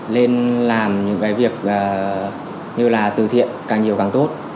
nên làm những cái việc như là từ thiện càng nhiều càng tốt